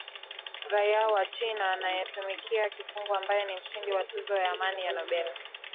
raia wa china anayetumikia kifungo ambaye ni mshindi wa tuzo ya amani ya nobel